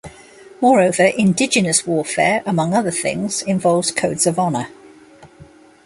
Moreover, indigenous warfare, among other things, involves codes of honor.